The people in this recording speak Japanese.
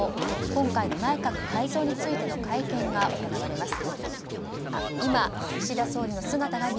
今回の内閣改造についての会見を行います。